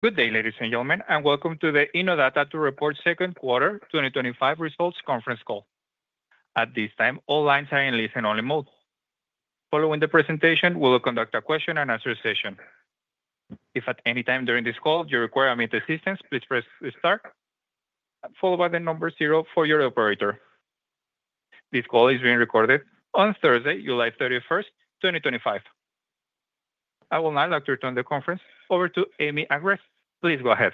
Good day, ladies and gentlemen, and welcome to the Innodata Report Second Quarter 2025 Results Conference Call. At this time, all lines are in listen-only mode. Following the presentation, we will conduct a question-and-answer session. If at any time during this call you require immediate assistance, please press restart, followed by the number zero for your operator. This call is being recorded on Thursday, July 31, 2025. I will now like to turn the conference over to Amy Agress. Please go ahead.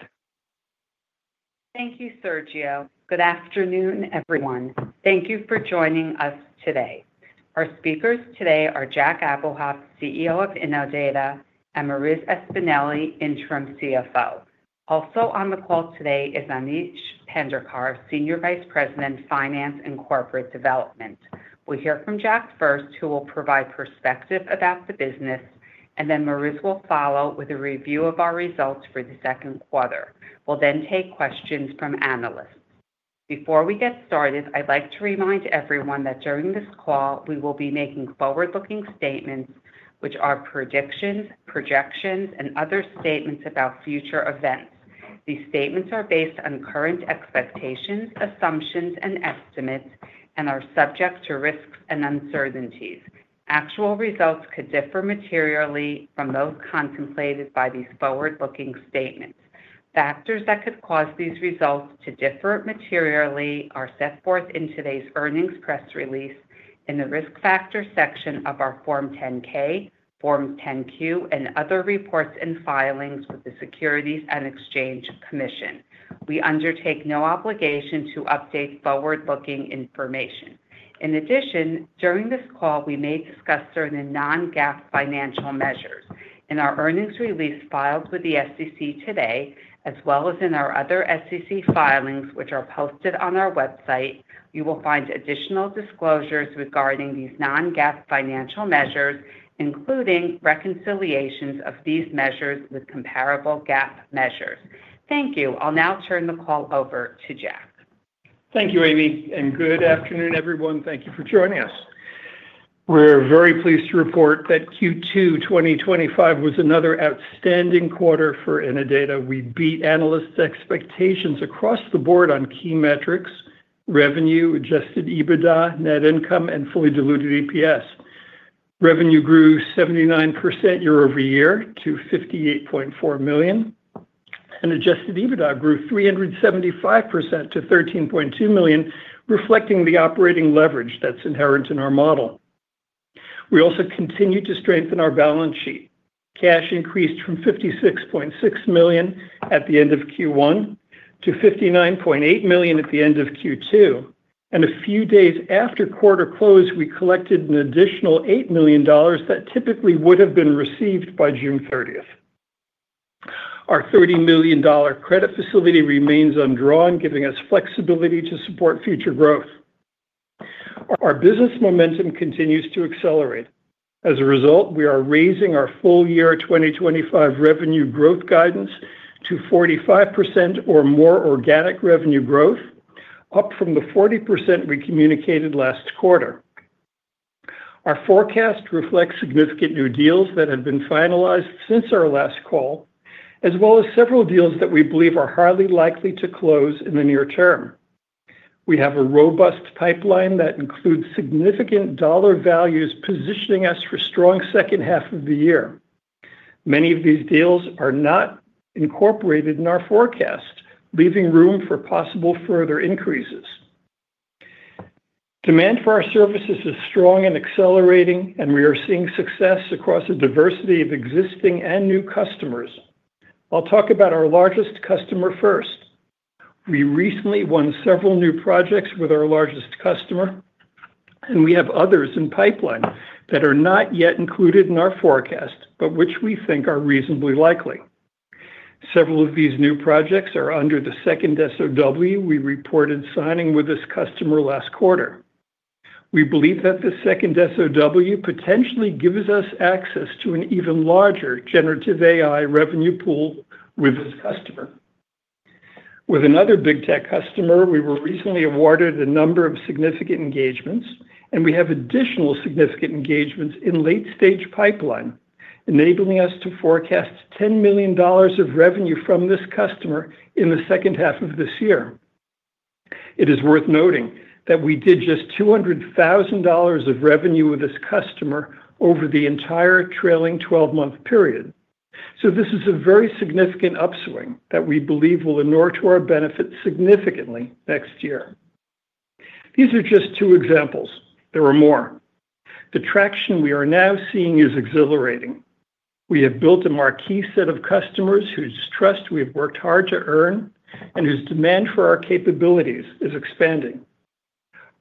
Thank you, Sergio. Good afternoon, everyone. Thank you for joining us today. Our speakers today are Jack Abuhoff, CEO of Innodata, and Marissa Espineli, Interim CFO. Also on the call today is Aneesh Pendharkar, Senior Vice President, Finance and Corporate Development. We'll hear from Jack first, who will provide perspective about the business, and then Marissa will follow with a review of our results for the second quarter. We'll then take questions from analysts. Before we get started, I'd like to remind everyone that during this call, we will be making forward-looking statements, which are predictions, projections, and other statements about future events. These statements are based on current expectations, assumptions, and estimates, and are subject to risks and uncertainties. Actual results could differ materially from those contemplated by these forward-looking statements. Factors that could cause these results to differ materially are set forth in today's earnings press release in the risk factor section of our Form 10-K, Form 10-Q, and other reports and filings with the Securities and Exchange Commission. We undertake no obligation to update forward-looking information. In addition, during this call, we may discuss certain non-GAAP financial measures. In our earnings release filed with the SEC today, as well as in our other SEC filings, which are posted on our website, you will find additional disclosures regarding these non-GAAP financial measures, including reconciliations of these measures with comparable GAAP measures. Thank you. I'll now turn the call over to Jack. Thank you, Amy, and good afternoon, everyone. Thank you for joining us. We're very pleased to report that Q2 2025 was another outstanding quarter for Innodata. We beat analysts' expectations across the board on key metrics, revenue, adjusted EBITDA, net income, and fully diluted EPS. Revenue grew 79% year-over-year to $58.4 million, and adjusted EBITDA grew 375% to $13.2 million, reflecting the operating leverage that's inherent in our model. We also continued to strengthen our balance sheet. Cash increased from $56.6 million at the end of Q1 to $59.8 million at the end of Q2. A few days after quarter close, we collected an additional $8 million that typically would have been received by June 30. Our $30 million credit facility remains undrawn, giving us flexibility to support future growth. Our business momentum continues to accelerate. As a result, we are raising our full-year 2025 revenue growth guidance to 45% or more organic revenue growth, up from the 40% we communicated last quarter. Our forecast reflects significant new deals that have been finalized since our last call, as well as several deals that we believe are highly likely to close in the near term. We have a robust pipeline that includes significant dollar values positioning us for a strong second half of the year. Many of these deals are not incorporated in our forecast, leaving room for possible further increases. Demand for our services is strong and accelerating, and we are seeing success across a diversity of existing and new customers. I'll talk about our largest customer first. We recently won several new projects with our largest customer, and we have others in the pipeline that are not yet included in our forecast, but which we think are reasonably likely. Several of these new projects are under the second SOW we reported signing with this customer last quarter. We believe that the second SOW potentially gives us access to an even larger generative AI revenue pool with this customer. With another big tech customer, we were recently awarded a number of significant engagements, and we have additional significant engagements in the late-stage pipeline, enabling us to forecast $10 million of revenue from this customer in the second half of this year. It is worth noting that we did just $200,000 of revenue with this customer over the entire trailing 12-month period. This is a very significant upswing that we believe will inure to our benefit significantly next year. These are just two examples. There are more. The traction we are now seeing is exhilarating. We have built a marquee set of customers whose trust we have worked hard to earn and whose demand for our capabilities is expanding.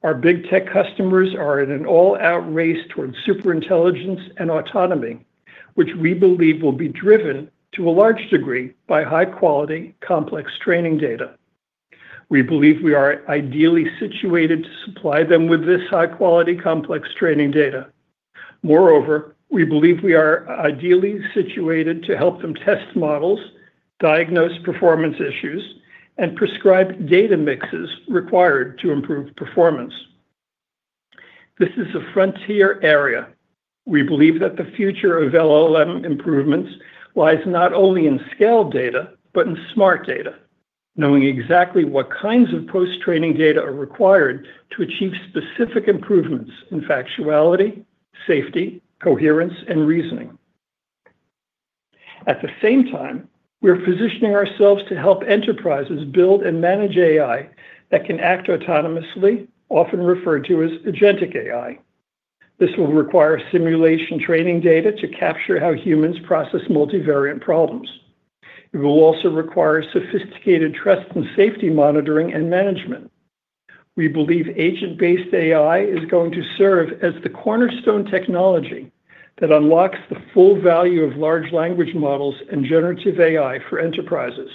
Our big tech customers are in an all-out race towards superintelligence and autonomy, which we believe will be driven to a large degree by high-quality, complex training data. We believe we are ideally situated to supply them with this high-quality, complex training data. Moreover, we believe we are ideally situated to help them test models, diagnose performance issues, and prescribe data mixes required to improve performance. This is a frontier area. We believe that the future of LLM improvements lies not only in scaled data, but in smart data, knowing exactly what kinds of post-training data are required to achieve specific improvements in factuality, safety, coherence, and reasoning. At the same time, we are positioning ourselves to help enterprises build and manage AI that can act autonomously, often referred to as agentic AI. This will require simulation training data to capture how humans process multivariant problems. It will also require sophisticated trust and safety monitoring and management. We believe agent-based AI is going to serve as the cornerstone technology that unlocks the full value of large language models and generative AI for enterprises.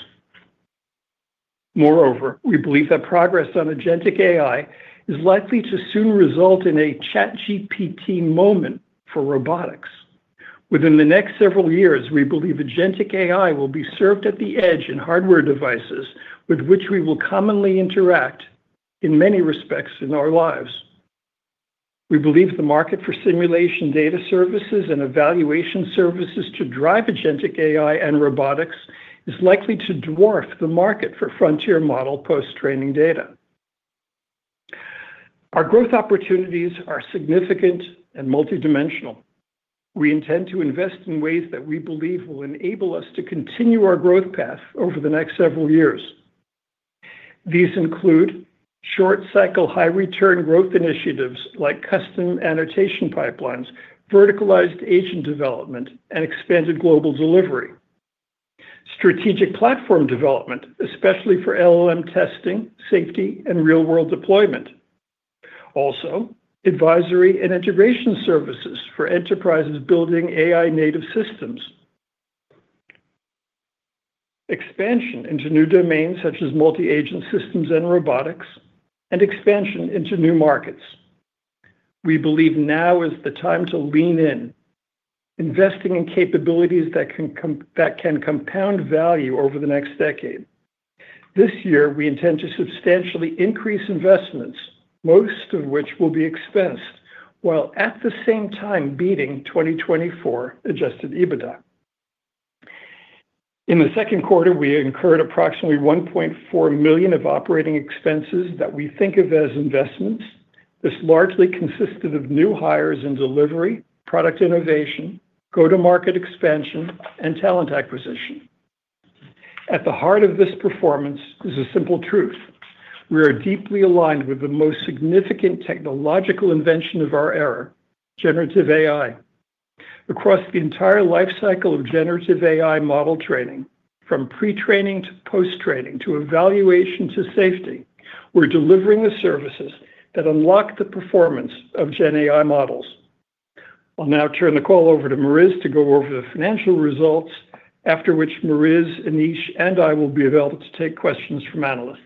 Moreover, we believe that progress on agentic AI is likely to soon result in a ChatGPT moment for robotics. Within the next several years, we believe agentic AI will be served at the edge in hardware devices with which we will commonly interact in many respects in our lives. We believe the market for simulation data services and evaluation services to drive agentic AI and robotics is likely to dwarf the market for frontier model post-training data. Our growth opportunities are significant and multidimensional. We intend to invest in ways that we believe will enable us to continue our growth path over the next several years. These include short-cycle, high-return growth initiatives like custom annotation pipelines, verticalized agent development, and expanded global delivery. Strategic platform development, especially for LLM testing, safety, and real-world deployment. Also, advisory and integration services for enterprises building AI-native systems. Expansion into new domains such as multi-agent systems and robotics, and expansion into new markets. We believe now is the time to lean in, investing in capabilities that can compound value over the next decade. This year, we intend to substantially increase investments, most of which will be expensive, while at the same time beating 2024 adjusted EBITDA. In the second quarter, we incurred approximately $1.4 million of operating expenses that we think of as investments. This largely consisted of new hires in delivery, product innovation, go-to-market expansion, and talent acquisition. At the heart of this performance is a simple truth. We are deeply aligned with the most significant technological invention of our era, generative AI. Across the entire lifecycle of generative AI model training, from pretraining to post-training, to evaluation to safety, we're delivering the services that unlock the performance of GenAI models. I'll now turn the call over to Marissa to go over the financial results, after which Marissa, Aneesh, and I will be available to take questions from analysts.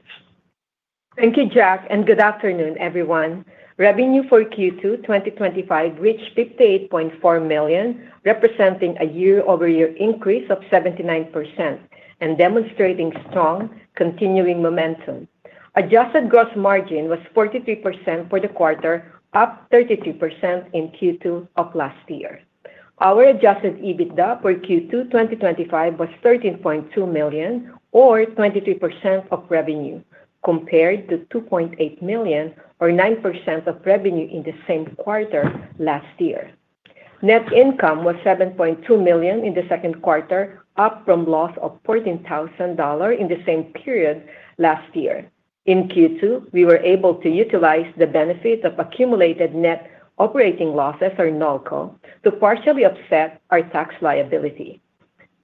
Thank you, Jack, and good afternoon, everyone. Revenue for Q2 2025 reached $58.4 million, representing a year-over-year increase of 79% and demonstrating strong continuing momentum. Adjusted gross margin was 43% for the quarter, up from 33% in Q2 of last year. Our adjusted EBITDA for Q2 2025 was $13.2 million, or 23% of revenue, compared to $2.8 million, or 9% of revenue in the same quarter last year. Net income was $7.2 million in the second quarter, up from a loss of $14,000 in the same period last year. In Q2, we were able to utilize the benefit of accumulated net operating losses, or NOLCO, to partially offset our tax liability.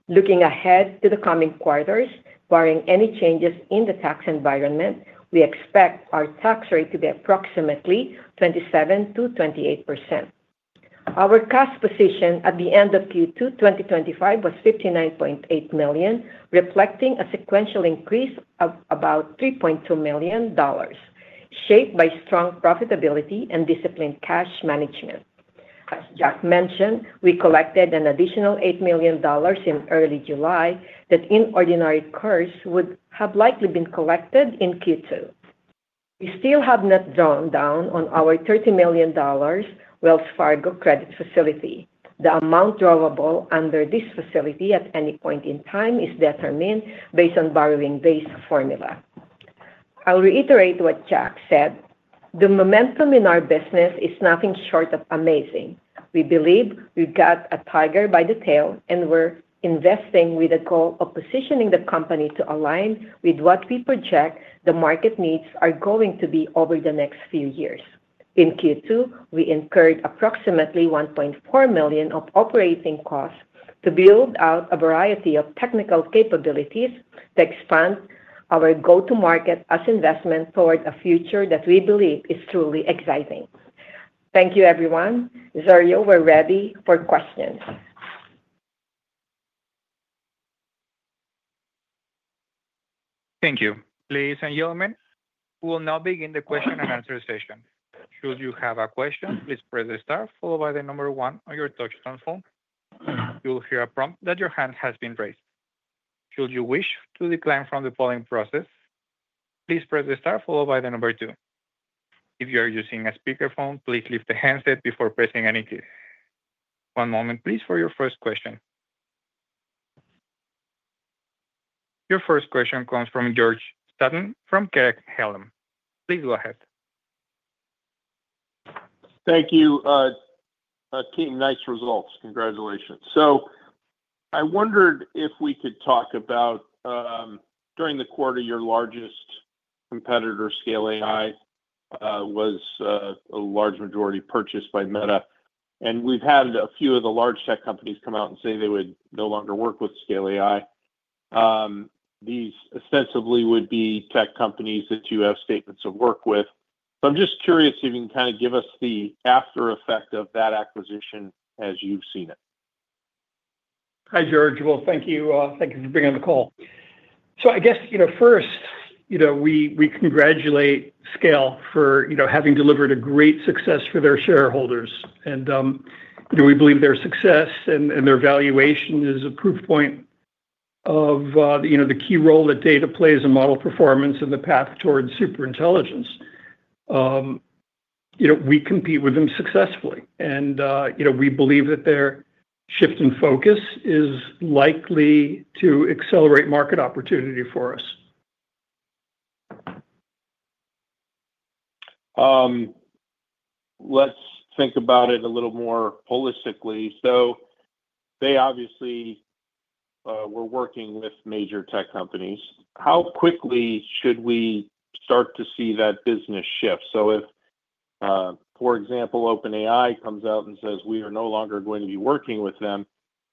Looking ahead to the coming quarters, barring any changes in the tax environment, we expect our tax rate to be approximately 27%-28%. Our cash position at the end of Q2 2025 was $59.8 million, reflecting a sequential increase of about $3.2 million, shaped by strong profitability and disciplined cash management. As Jack mentioned, we collected an additional $8 million in early July that in ordinary currency would have likely been collected in Q2. We still have not drawn down on our $30 million Wells Fargo credit facility. The amount drawable under this facility at any point in time is determined based on the borrowing-based formula. I'll reiterate what Jack said. The momentum in our business is nothing short of amazing. We believe we got a tiger by the tail and we're investing with a goal of positioning the company to align with what we project the market needs are going to be over the next few years. In Q2, we incurred approximately $1.4 million of operating costs to build out a variety of technical capabilities to expand our go-to-market as an investment toward a future that we believe is truly exciting. Thank you, everyone. Sergio, we're ready for questions. Thank you. Ladies and gentlemen, we will now begin the question-and-answer session. Should you have a question, please press the star followed by the number one on your touch-tone phone. You will hear a prompt that your hand has been raised. Should you wish to decline from the polling process, please press the star followed by the number two. If you are using a speakerphone, please lift the handset before pressing any key. One moment, please, for your first question. Your first question comes from George Sutton from Craig-Hallum. Please go ahead. Thank you. Team, nice results. Congratulations. I wondered if we could talk about, during the quarter, your largest competitor, Scale AI, was a large majority purchased by Meta. We've had a few of the large tech companies come out and say they would no longer work with Scale AI. These ostensibly would be tech companies that you have statements of work with. I'm just curious if you can kind of give us the after-effect of that acquisition as you've seen it. Hi, George. Thank you. Thank you for being on the call. First, we congratulate Scale AI for having delivered a great success for their shareholders. We believe their success and their valuation is a proof point of the key role that data plays in model performance and the path towards superintelligence. We compete with them successfully, and we believe that their shift in focus is likely to accelerate market opportunity for us. Let's think about it a little more holistically. They obviously were working with major tech companies. How quickly should we start to see that business shift? For example, if OpenAI comes out and says, "We are no longer going to be working with them,"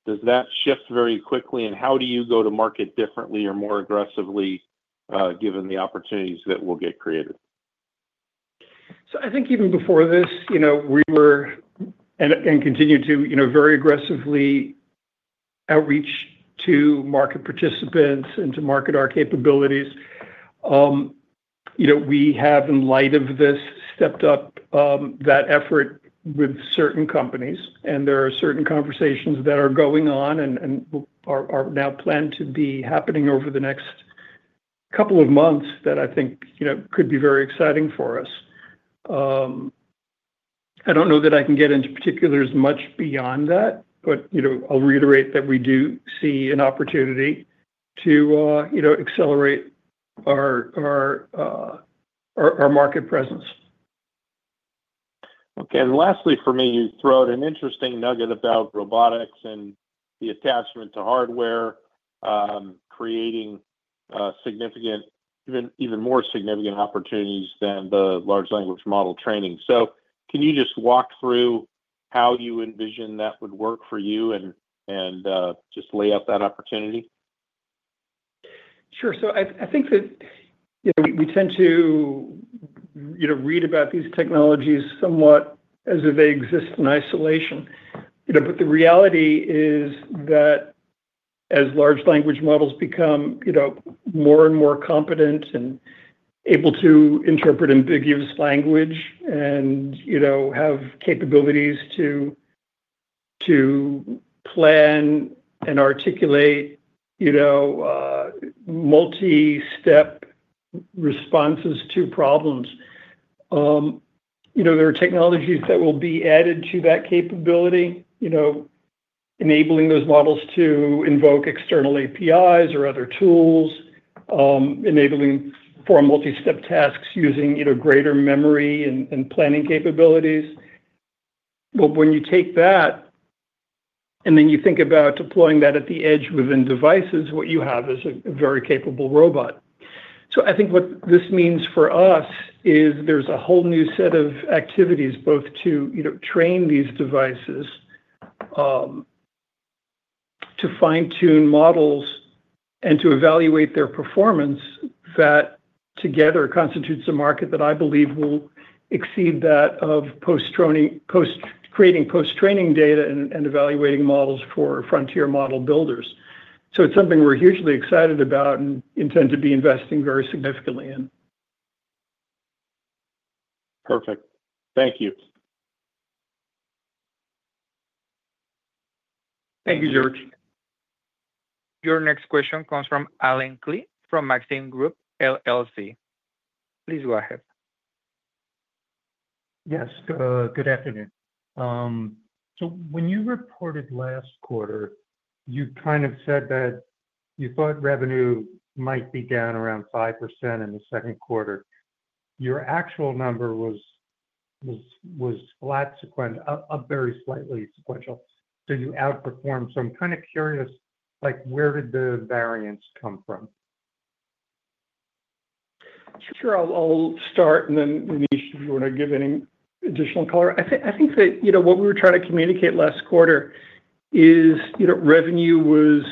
does that shift very quickly? How do you go to market differently or more aggressively, given the opportunities that will get created? I think even before this, we were and continue to very aggressively outreach to market participants and to market our capabilities. We have, in light of this, stepped up that effort with certain companies. There are certain conversations that are going on and are now planned to be happening over the next couple of months that I think could be very exciting for us. I don't know that I can get into particulars much beyond that, but I'll reiterate that we do see an opportunity to accelerate our market presence. Okay. Lastly, for me, you throw out an interesting nugget about robotics and the attachment to hardware, creating significant, even more significant opportunities than the large language model training. Can you just walk through how you envision that would work for you and just lay out that opportunity? I think that we tend to read about these technologies somewhat as if they exist in isolation, but the reality is that as large language models become more and more competent and able to interpret ambiguous language and have capabilities to plan and articulate multi-step responses to problems, there are technologies that will be added to that capability, enabling those models to invoke external APIs or other tools, enabling for multi-step tasks using greater memory and planning capabilities. When you take that and then you think about deploying that at the edge within devices, what you have is a very capable robot. I think what this means for us is there's a whole new set of activities both to train these devices, to fine-tune models, and to evaluate their performance that together constitutes a market that I believe will exceed that of post-creating post-training data and evaluating models for frontier model builders. It's something we're hugely excited about and intend to be investing very significantly in. Perfect. Thank you. Thank you, George. Your next question comes from Allen Klee from Maxim Group LLC. Please go ahead. Yes. Good afternoon. When you reported last quarter, you kind of said that you thought revenue might be down around 5% in the second quarter. Your actual number was flat, sequentially, very slightly sequential. You outperformed. I'm kind of curious, where did the variance come from? Sure. I'll start, and then, Aneesh, if you want to give any additional color. I think that what we were trying to communicate last quarter is revenue was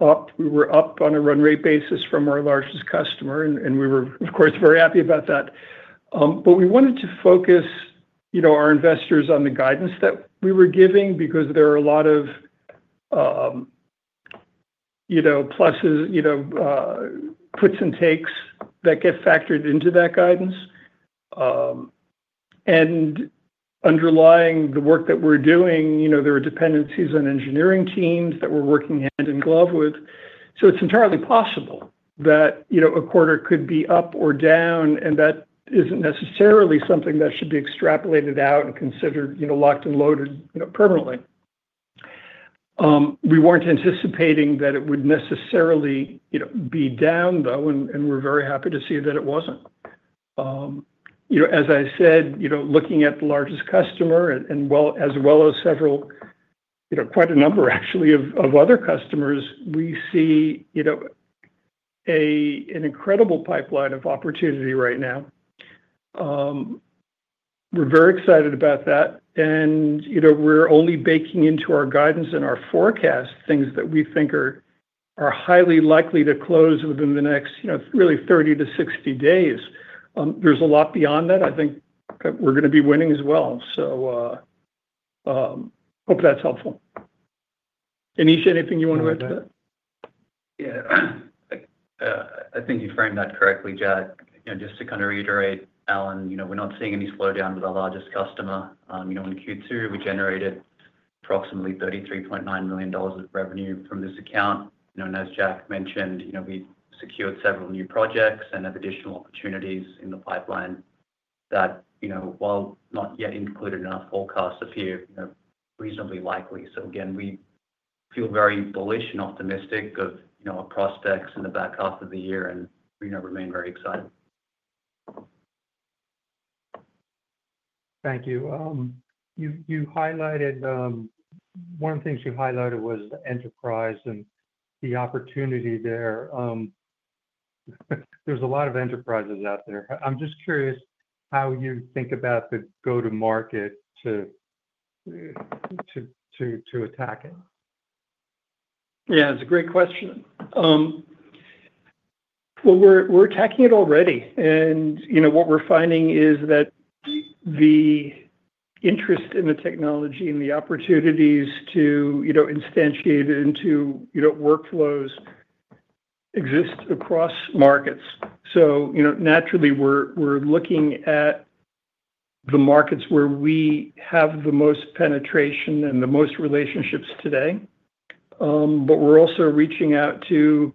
up. We were up on a run-rate basis from our largest customer, and we were, of course, very happy about that. We wanted to focus our investors on the guidance that we were giving because there are a lot of pluses, puts and takes that get factored into that guidance. Underlying the work that we're doing, there are dependencies on engineering teams that we're working hand in glove with. It's entirely possible that a quarter could be up or down, and that isn't necessarily something that should be extrapolated out and considered locked and loaded permanently. We weren't anticipating that it would necessarily be down, though, and we're very happy to see that it wasn't. As I said, looking at the largest customer, as well as quite a number of other customers, we see an incredible pipeline of opportunity right now. We're very excited about that. We're only baking into our guidance and our forecast things that we think are highly likely to close within the next 30-60 days. There's a lot beyond that. I think we're going to be winning as well. I hope that's helpful. Aneesh, anything you want to add to that? Yeah. I think you framed that correctly, Jack. Just to kind of reiterate, Alan, we're not seeing any slowdown with our largest customer. In Q2, we generated approximately $33.9 million of revenue from this account. As Jack mentioned, we've secured several new projects and have additional opportunities in the pipeline that, while not yet included in our forecast, a few are reasonably likely. Again, we feel very bullish and optimistic of our prospects in the back half of the year, and we remain very excited. Thank you. You highlighted one of the things you highlighted was the enterprise and the opportunity there. There's a lot of enterprises out there. I'm just curious how you think about the go-to-market to attack it. Yeah, it's a great question. We're attacking it already. What we're finding is that the interest in the technology and the opportunities to instantiate it into workflows exist across markets. Naturally, we're looking at the markets where we have the most penetration and the most relationships today, but we're also reaching out to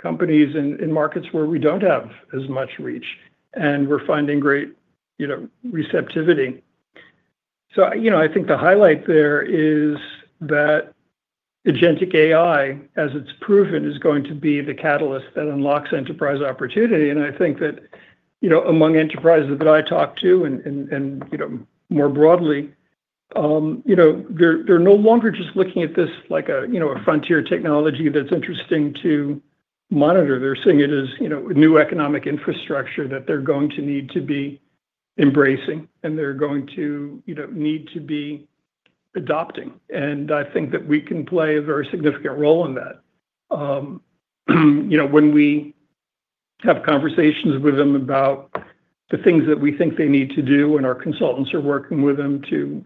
companies in markets where we don't have as much reach. We're finding great receptivity. I think the highlight there is that agentic AI, as it's proven, is going to be the catalyst that unlocks enterprise opportunity. I think that among enterprises that I talk to and, more broadly, they're no longer just looking at this like a frontier technology that's interesting to monitor. They're seeing it as a new economic infrastructure that they're going to need to be embracing, and they're going to need to be adopting. I think that we can play a very significant role in that. When we have conversations with them about the things that we think they need to do, and our consultants are working with them to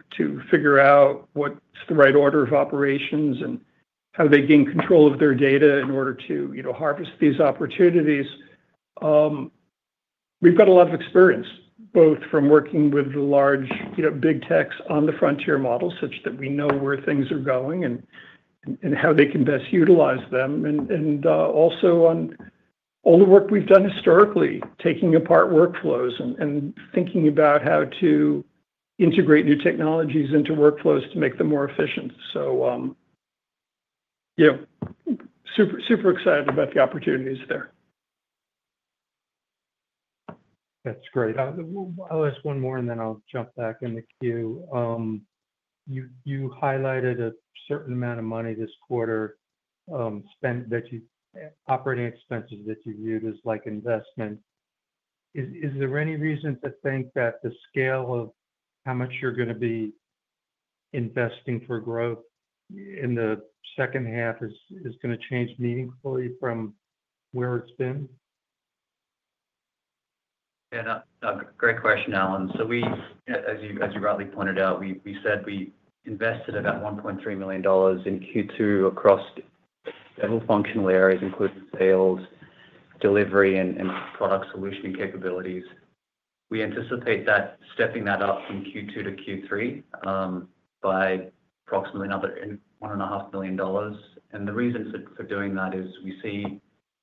figure out what's the right order of operations and how they gain control of their data in order to harvest these opportunities. We've got a lot of experience, both from working with the large big techs on the frontier models such that we know where things are going and how they can best utilize them, and also on all the work we've done historically, taking apart workflows and thinking about how to integrate new technologies into workflows to make them more efficient. Super, super excited about the opportunities there. That's great. I'll ask one more, and then I'll jump back in the queue. You highlighted a certain amount of money this quarter spent that you viewed as investment in operating expenses. Is there any reason to think that the scale of how much you're going to be investing for growth in the second half is going to change meaningfully from where it's been? Yeah, great question, Alan. As you rightly pointed out, we said we invested about $1.3 million in Q2 across several functional areas, including sales, delivery, and product solution capabilities. We anticipate that stepping that up from Q2 to Q3 by approximately another $1.5 million. The reason for doing that is we see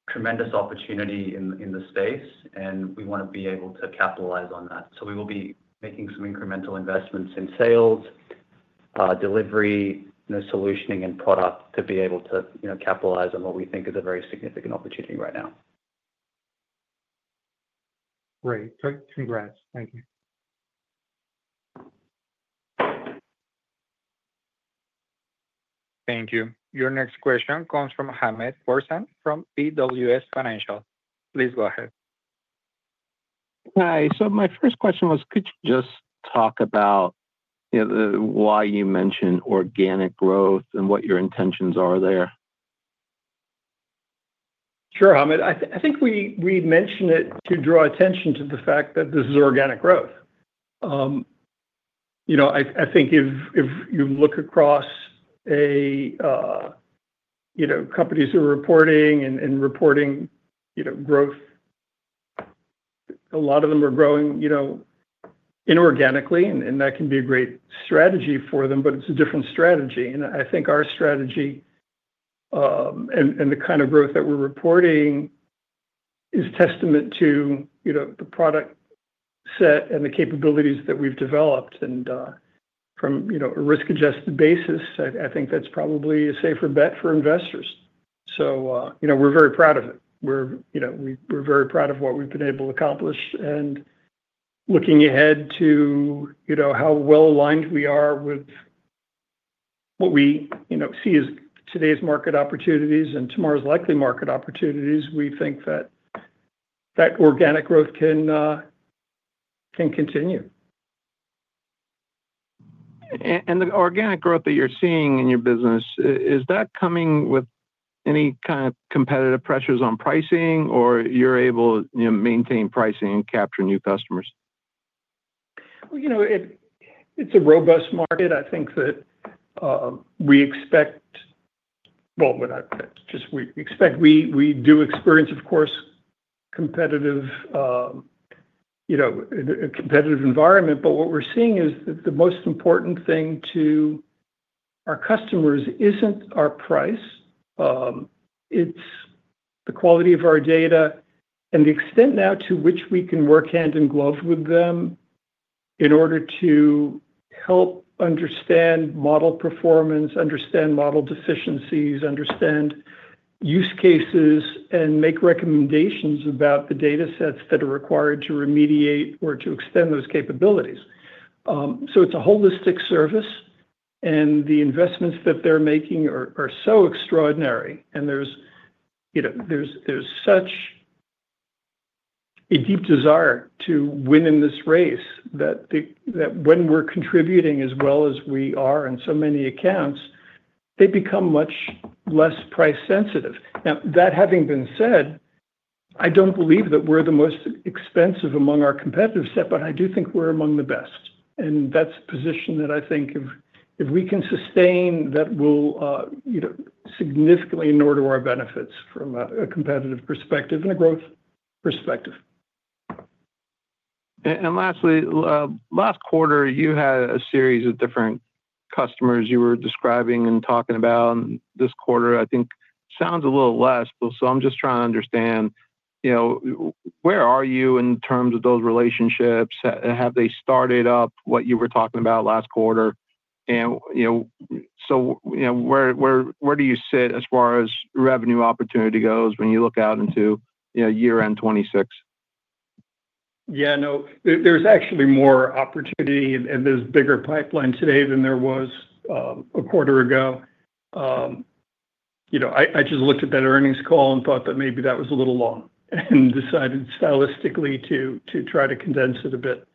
tremendous opportunity in the space, and we want to be able to capitalize on that. We will be making some incremental investments in sales, delivery, solutioning, and product to be able to capitalize on what we think is a very significant opportunity right now. Great. Congrats. Thank you. Thank you. Your next question comes from Hamed Khorsand from BWS Financial Inc. Please go ahead. Hi. My first question was, could you just talk about why you mentioned organic growth and what your intentions are there? Sure, I mean. I think we mentioned it to draw attention to the fact that this is organic growth. I think if you look across companies who are reporting and reporting growth, a lot of them are growing inorganically, and that can be a great strategy for them, but it's a different strategy. I think our strategy and the kind of growth that we're reporting is testament to the product set and the capabilities that we've developed. From a risk-adjusted basis, I think that's probably a safer bet for investors. We're very proud of it. We're very proud of what we've been able to accomplish. Looking ahead to how well-aligned we are with what we see as today's market opportunities and tomorrow's likely market opportunities, we think that that organic growth can continue. Is the organic growth that you're seeing in your business, is that coming with any kind of competitive pressures on pricing, or are you able to maintain pricing and capture new customers? It is a robust market. I think that we expect, we do experience, of course, a competitive environment. What we're seeing is that the most important thing to our customers isn't our price. It's the quality of our data and the extent now to which we can work hand in glove with them in order to help understand model performance, understand model deficiencies, understand use cases, and make recommendations about the data sets that are required to remediate or to extend those capabilities. It's a holistic service, and the investments that they're making are so extraordinary. There's such a deep desire to win in this race that when we're contributing as well as we are in so many accounts, they become much less price-sensitive. That having been said, I don't believe that we're the most expensive among our competitive set, but I do think we're among the best. That's a position that I think if we can sustain, that will significantly in order to our benefits from a competitive perspective and a growth perspective. Lastly, last quarter, you had a series of different customers you were describing and talking about. This quarter, I think, sounds a little less. I'm just trying to understand where are you in terms of those relationships. Have they started up what you were talking about last quarter? Where do you sit as far as revenue opportunity goes when you look out into year-end 2026? Yeah, no, there's actually more opportunity, and there's a bigger pipeline today than there was a quarter ago. I just looked at that earnings call and thought that maybe that was a little long and decided stylistically to try to condense it a bit.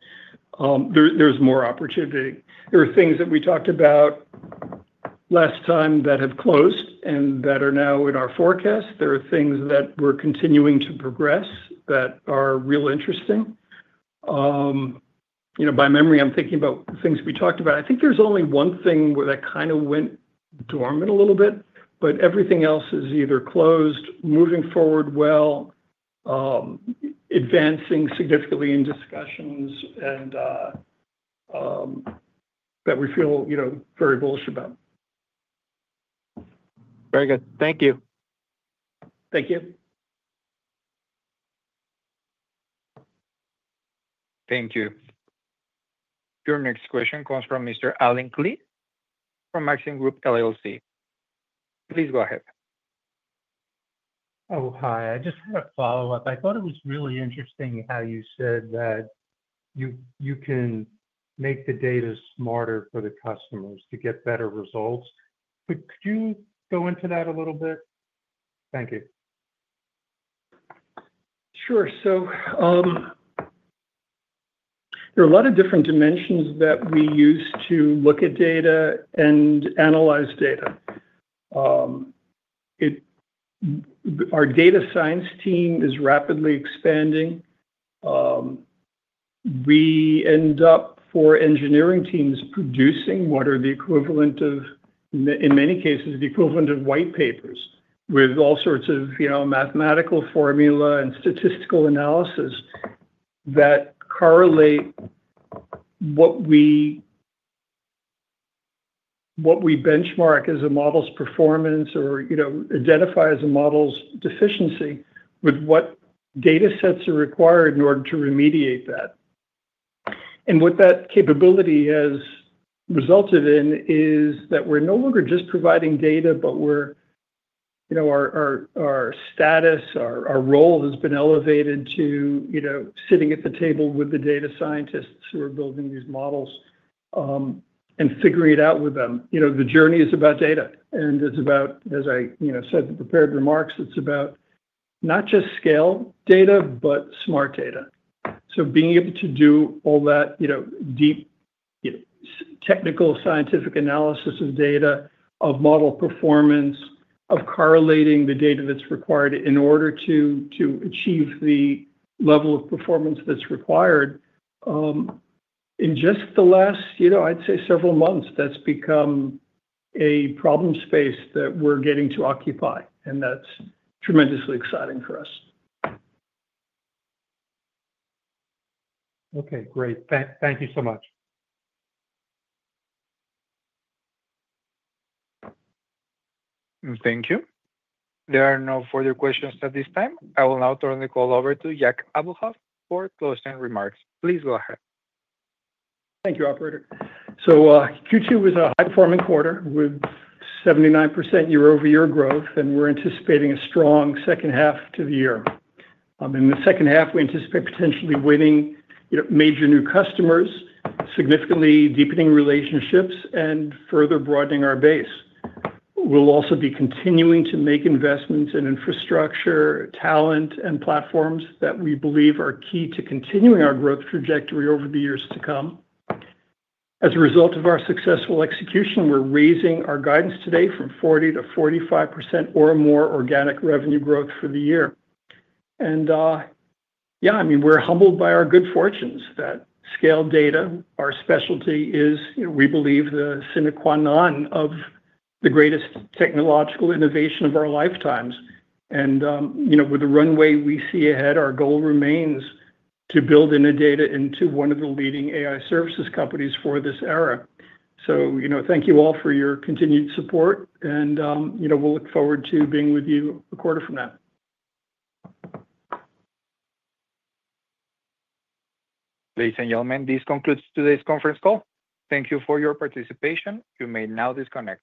There's more opportunity. There are things that we talked about last time that have closed and that are now in our forecast. There are things that we're continuing to progress that are real interesting. By memory, I'm thinking about the things we talked about. I think there's only one thing that kind of went dormant a little bit, but everything else is either closed, moving forward well, advancing significantly in discussions, and that we feel very bullish about. Very good. Thank you. Thank you. Thank you. Your next question comes from Mr. Allen Robert Klee from Maxim Group LLC. Please go ahead. Oh, hi. I just had a follow-up. I thought it was really interesting how you said that you can make the data smarter for the customers to get better results. Could you go into that a little bit? Thank you. Sure. There are a lot of different dimensions that we use to look at data and analyze data. Our data science team is rapidly expanding. We end up, for engineering teams, producing what are the equivalent of, in many cases, the equivalent of white papers with all sorts of mathematical formula and statistical analysis that correlate what we benchmark as a model's performance or identify as a model's deficiency with what data sets are required in order to remediate that. What that capability has resulted in is that we're no longer just providing data, but our status, our role has been elevated to sitting at the table with the data scientists who are building these models and figuring it out with them. The journey is about data. It's about, as I said in the prepared remarks, not just scale data, but smart data. Being able to do all that deep technical scientific analysis of data, of model performance, of correlating the data that's required in order to achieve the level of performance that's required. In just the last several months, that's become a problem space that we're getting to occupy. That's tremendously exciting for us. Okay, great. Thank you so much. Thank you. There are no further questions at this time. I will now turn the call over to Jack Abuhoff for closing remarks. Please go ahead. Thank you, operator. Q2 was a high-performing quarter with 79% year-over-year growth, and we're anticipating a strong second half to the year. In the second half, we anticipate potentially winning major new customers, significantly deepening relationships, and further broadening our base. We'll also be continuing to make investments in infrastructure, talent, and platforms that we believe are key to continuing our growth trajectory over the years to come. As a result of our successful execution, we're raising our guidance today from 40%-45% or more organic revenue growth for the year. We're humbled by our good fortunes that scale data, our specialty, is, we believe, the sine qua non of the greatest technological innovation of our lifetimes. With the runway we see ahead, our goal remains to build Innodata into one of the leading AI services companies for this era. Thank you all for your continued support. We'll look forward to being with you a quarter from now. Ladies and gentlemen, this concludes today's conference call. Thank you for your participation. You may now disconnect.